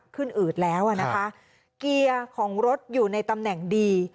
อืดแล้วอ่ะนะคะเกียร์ของรถอยู่ในตำแหน่งดี